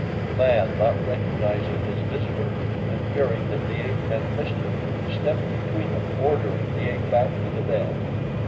The man, not recognizing his visitor and fearing that the ape meant mischief, stepped between them, ordering the ape back to the bed.